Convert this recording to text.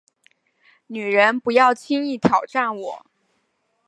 女人，不要轻易挑战我